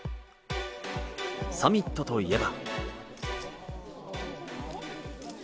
サミットといえば。